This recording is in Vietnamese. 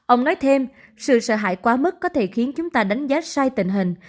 ông nói thêm sự sợ hãi quá mức có thể khiến chúng ta đánh giá sai tình hình